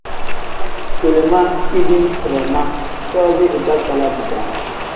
Kele ma kidiim-ro na coozi ikasala bidaa.